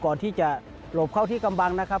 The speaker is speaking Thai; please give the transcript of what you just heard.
ก่อนที่จะหลบเข้าที่กำบังนะครับ